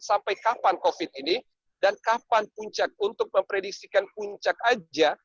sampai kapan covid ini dan kapan puncak untuk memprediksikan puncak aja